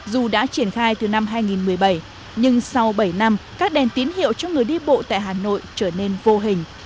dù đã triển khai từ năm hai nghìn một mươi bảy nhưng sau bảy năm các đèn tín hiệu cho người đi bộ tại hà nội trở nên vô hình